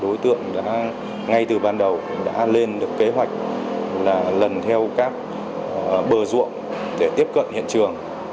đối tượng đã ngay từ ban đầu đã lên được kế hoạch là lần theo các bờ ruộng để tiếp cận hiện trường